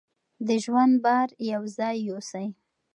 د ژوند بار یو ځای یوسئ.